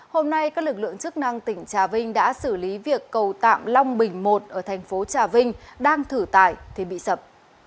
hôm nay các lực lượng chức năng tỉnh trà vinh đã xử lý việc cầu tạm long bình một ở thành phố trà vinh đang thử tải thì bị sập